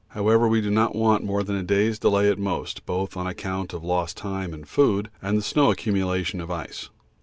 However, we do not want more than a day's delay at most, both on account of lost time and food and the snow accumulation of ice.